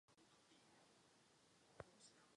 Měli jednoho syna jménem Gregory Kung.